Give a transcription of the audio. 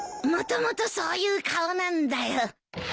もともとそういう顔なんだよ。